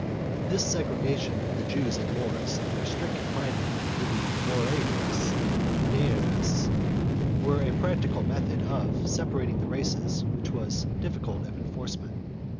3 This segregation of the Jews and Moors and their strict con finement to the Morerias and Juderias were a practical method of separating the races which was difficult of enforcement.